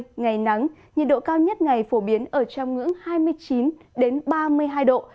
trong ba ngày tới ngày nắng nhiệt độ cao nhất ngày phổ biến ở trong ngưỡng hai mươi chín ba mươi hai độ